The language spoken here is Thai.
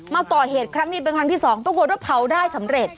มาก่อเหตุครั้งนี้เป็นครั้งที่สองปรากฏว่าเผาได้สำเร็จ